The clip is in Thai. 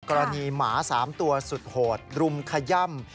หมา๓ตัวสุดโหดรุมขย่ำ